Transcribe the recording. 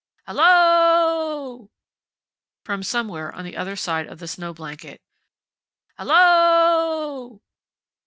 "Hallo o o o!" from somewhere on the other side of the snow blanket. "Hallo o o o!"